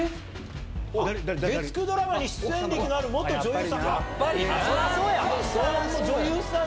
月９ドラマに出演歴がある元女優さん。